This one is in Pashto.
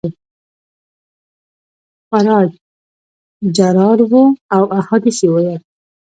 خورا جرار وو او احادیث یې ویل.